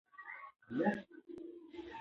هر انسان خپل ځانګړی خوی لري.